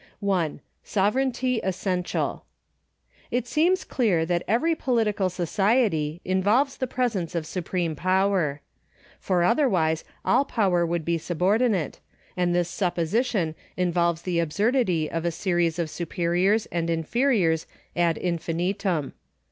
1. Sovereignty essential. It seems clear that every political society involves the presence of supreme j)ower. For otherwise all power would be subordinate, and this supposition involves the absurdity of a series of superiors and inferiors ad infinitum.